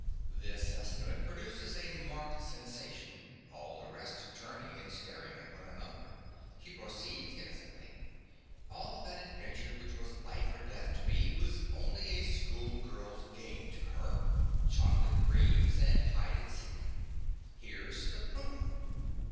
(This estimate produces a marked sensation, all the rest turning and staring at one another. He proceeds innocently.) All that adventure which was life or death to me, was only a schoolgirl's game to her—chocolate creams and hide and seek. Here's the proof!